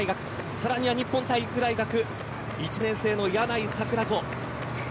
さらには日本体育大学１年生の柳井桜子。